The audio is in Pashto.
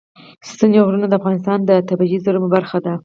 ستوني غرونه د افغانستان د طبیعي زیرمو برخه ده.